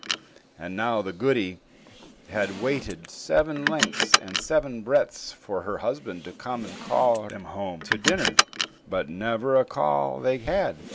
And now the goody had waited seven lengths and seven breadths for her husband to come and call them home to dinner; but never a call they had.